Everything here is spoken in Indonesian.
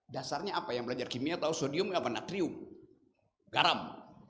dasarnya apa yang belajar kimia tahu sodium apa natrium garam